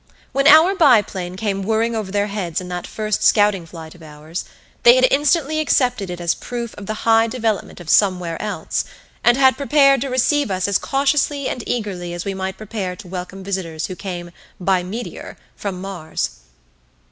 When our biplane came whirring over their heads in that first scouting flight of ours, they had instantly accepted it as proof of the high development of Some Where Else, and had prepared to receive us as cautiously and eagerly as we might prepare to welcome visitors who came "by meteor" from Mars.